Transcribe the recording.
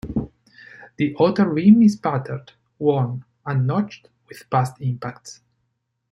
The outer rim is battered, worn, and notched with past impacts.